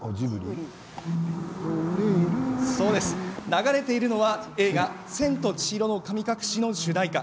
流れているのは映画「千と千尋の神隠し」の主題歌。